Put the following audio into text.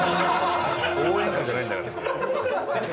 応援歌じゃないんだから。